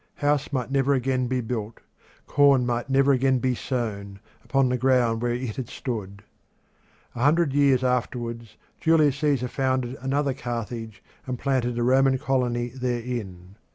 House might never again be built, corn might never again be sown, upon the ground where it had stood. A hundred years afterwards Julius Caesar founded another Carthage and planted a Roman colony therein.